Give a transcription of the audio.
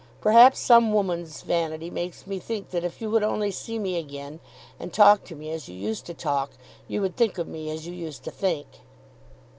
Perhaps some woman's vanity makes me think that if you would only see me again, and talk to me as you used to talk, you would think of me as you used to think.